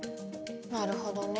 なるほどね。